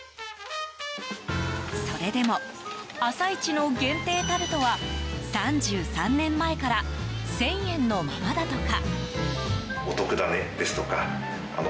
それでも、朝市の限定タルトは３３年前から１０００円のままだとか。